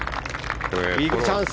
イーグルチャンス。